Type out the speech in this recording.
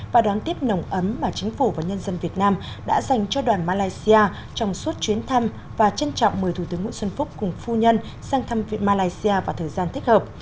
và đón tiếp nồng ấm mà chính phủ và nhân dân việt nam đã dành cho đoàn malaysia trong suốt chuyến thăm và trân trọng mời thủ tướng nguyễn xuân phúc cùng phu nhân sang thăm viện malaysia vào thời gian thích hợp